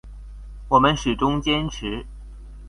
我們始終堅持